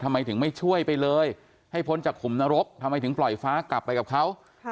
ทำไมถึงไม่ช่วยไปเลยให้พ้นจากขุมนรกทำไมถึงปล่อยฟ้ากลับไปกับเขา